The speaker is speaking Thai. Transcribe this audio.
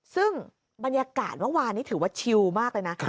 ซึ่งบรรยากาศเมื่อวานนี้ถือว่าชิลมากเลยนะ